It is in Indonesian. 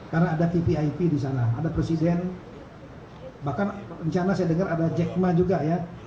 karena ada tvip di sana ada presiden bahkan rencana saya dengar ada jack ma juga ya